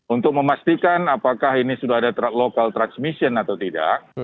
untuk memastikan apakah ini sudah ada local transmission atau tidak